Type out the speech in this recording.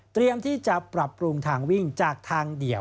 เตรียมทรีย์จะปรับปรุงทางวิ่งจากทางเดี่ยว